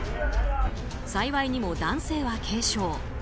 幸いにも男性は軽傷。